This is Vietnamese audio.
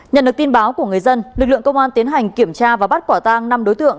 nhận được tin báo của người dân lực lượng công an tiến hành kiểm tra và bắt quả tang năm đối tượng